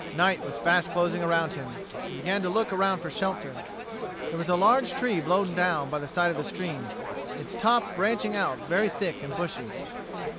Night was fast closing around him. He began to look around for shelter. There was a large tree blown down by the side of the stream, its top branching out very thick and bushy.